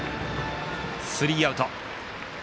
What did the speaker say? スリーアウト。